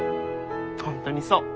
本当にそう。